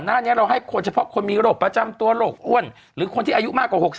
หน้านี้เราให้คนเฉพาะคนมีโรคประจำตัวโรคอ้วนหรือคนที่อายุมากกว่า๖๐